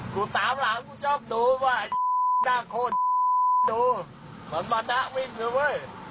โคตรไบ้ว่าไม่รู้